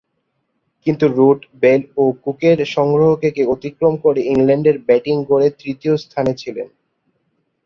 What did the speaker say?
কিন্তু Root, Bell ও কুকের সংগ্রহকে অতিক্রম করে ইংল্যান্ডের ব্যাটিং গড়ে তৃতীয় স্থানে ছিলেন।